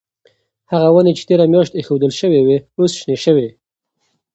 هغه ونې چې تیره میاشت ایښودل شوې وې اوس شنې شوې.